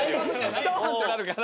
ドーンってなるから。